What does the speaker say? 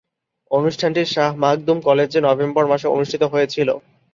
অনুষ্ঠানটি শাহ মখদুম কলেজে নভেম্বর মাসে অনুষ্ঠিত হয়েছিলো।